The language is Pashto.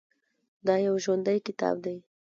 دا یو ژوندی کتاب دی.